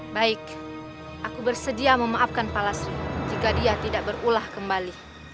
baik aku bersedia memaafkan palas jika dia tidak berulah kembali